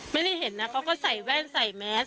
ไม่ได้เห็นนะเขาก็ใส่แว่นใส่แมส